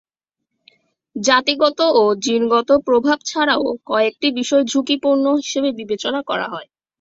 জাতিগত ও জিনগত প্রভাব ছাড়াও কয়েকটি বিষয় ঝুঁকিপূর্ণ হিসেবে বিবেচনা করা হয়।